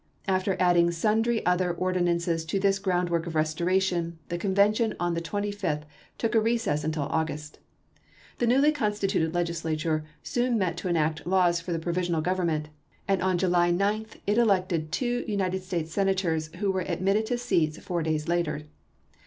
After adding sundry other ordi nances to this groundwork of restoration, the con vention on the 25th took a recess till August. The newly constituted Legislature soon met to enact laws for the provisional government ; and on July 1861. 9 it elected two United States Senators who were admitted to seats four days later.